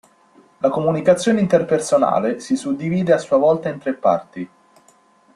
La comunicazione interpersonale si suddivide a sua volta in tre parti.